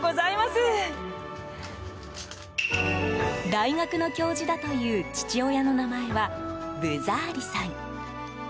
大学の教授だという父親の名前は、ブザーリさん。